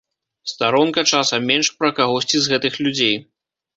Старонка, часам менш, пра кагосьці з гэтых людзей.